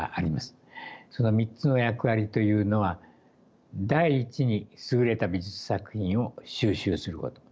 その３つの役割というのは第一に優れた美術作品を収集すること。